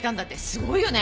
すごいよね！